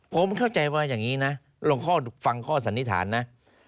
ผมเข้าใจว่าอย่างนี้นะหลวงพ่อฟังข้อสันนิษฐานนะ